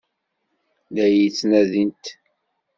La iyi-ttnadint?